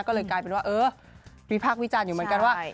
ก็เลยกลายเป็นว่าเออวิพากษ์วิจารณ์อยู่เหมือนกันว่า